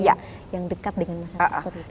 yang dekat dengan masyarakat